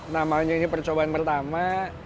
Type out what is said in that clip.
namanya ini percobaan pertama